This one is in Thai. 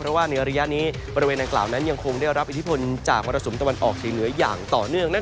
เพราะว่าในระยะนี้บริเวณดังกล่าวนั้นยังคงได้รับอิทธิพลจากมรสุมตะวันออกเฉียงเหนืออย่างต่อเนื่อง